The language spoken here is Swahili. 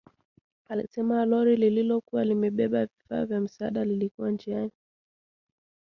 Alisema lori lililokuwa limebeba vifaa vya msaada lilikuwa njiani